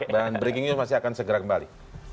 dan breaking news masih akan segera kembali